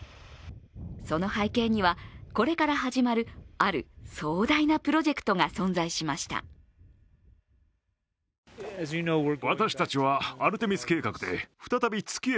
その背景には、これから始まるある壮大なプロジェクトが存在しました。